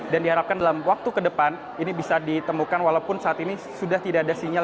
dan diharapkan dalam waktu ke depan ini bisa ditemukan walaupun saat ini sudah tidak ada sinyal